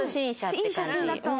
いい写真だと思う。